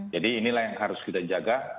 jadi inilah yang harus kita jaga